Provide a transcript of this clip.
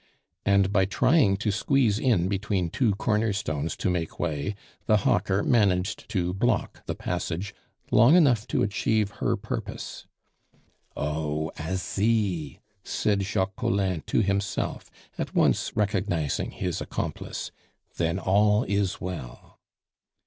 And by trying to squeeze in between two corner stones to make way, the hawker managed to block the passage long enough to achieve her purpose. "Oh! Asie!" said Jacques Collin to himself, at once recognizing his accomplice. "Then all is well."